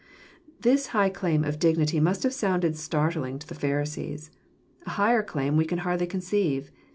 This high claim of dignity must have sounded startling to the Pharisees ! A higher claim we can hardly conceive.